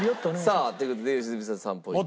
さあという事で良純さん３ポイント。